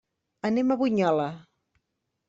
Anem a Bunyola.